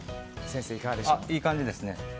いい感じですね。